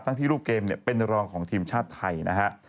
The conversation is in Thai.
ตั้งที่รูปเกมเป็นรองของทีมชาติไทยนะครับ